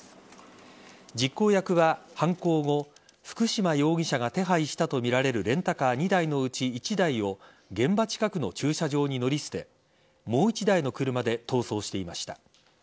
実行役は犯行後福島容疑者が手配したとみられるレンタカー２台のうち１台を現場近くの駐車場に乗り捨てもう１台の車で逃走していました。